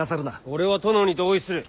俺は殿に同意する。